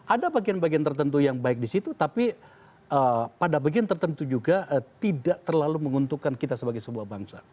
ada bagian bagian tertentu yang baik di situ tapi pada bagian tertentu juga tidak terlalu menguntungkan kita sebagai sebuah bangsa